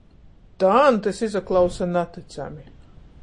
Tān tys izaklausa natycami.